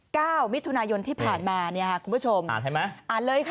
เก้ามิถุนายนที่ผ่านมาเนี่ยค่ะคุณผู้ชมอ่านเห็นไหมอ่านเลยค่ะ